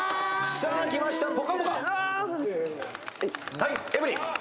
はいエブリン。